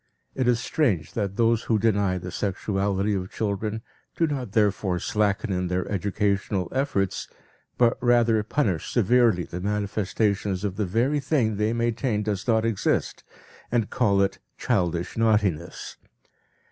It is strange that those who deny the sexuality of children, do not therefore slacken in their educational efforts but rather punish severely the manifestations of the very thing they maintain does not exist, and call it "childish naughtiness."